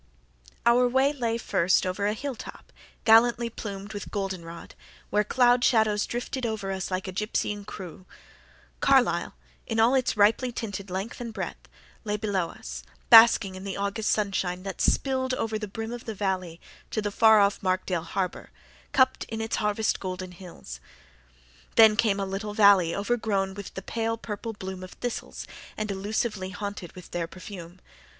Our way lay first over a hill top, gallantly plumed with golden rod, where cloud shadows drifted over us like a gypsying crew. Carlisle, in all its ripely tinted length and breadth, lay below us, basking in the August sunshine, that spilled over the brim of the valley to the far off Markdale Harbour, cupped in its harvest golden hills. Then came a little valley overgrown with the pale purple bloom of thistles and elusively haunted with their perfume.